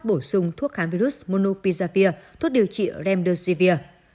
bổ sung thuốc kháng virus monopizavir thuốc điều trị remdesivir